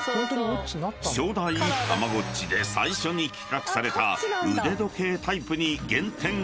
［初代たまごっちで最初に企画された腕時計タイプに］